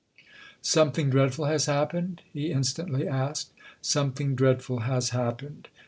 " Something dreadful has happened ?" he instantly asked. " Something dreadful has happened.